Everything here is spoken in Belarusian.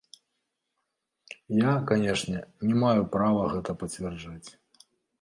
Я, канешне, не маю права гэта пацвярджаць.